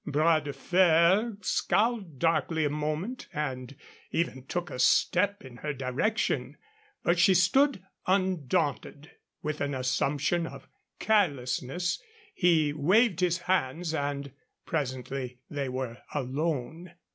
Bras de Fer scowled darkly a moment, and even took a step in her direction, but she stood undaunted. With an assumption of carelessness he waved his hands, and presently they were alone.